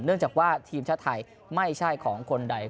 เนื่องจากว่าทีมชาติไทยไม่ใช่ของคนใด